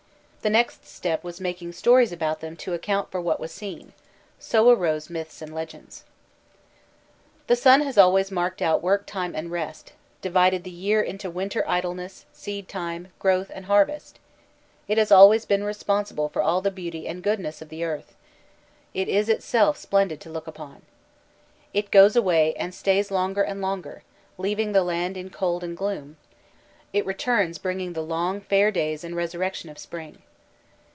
The next step was making stories about them to account for what was seen; so arose myths and legends. The sun has always marked out work time and rest, divided the year into winter idleness, seed time, growth, and harvest; it has always been responsible for all the beauty and goodness of the earth; it is itself splendid to look upon. It goes away and stays longer and longer, leaving the land in cold and gloom; it returns bringing the long fair days and resurrection of spring.